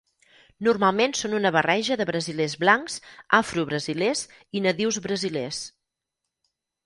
Normalment són una barreja de brasilers blancs, afrobrasilers i nadius brasilers.